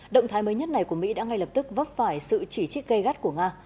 động thái mới nhất này của mỹ đã ngay lập tức vấp phải sự chỉ trích gây gắt của nga